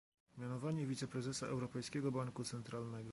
Mianowanie wiceprezesa Europejskiego Banku Centralnego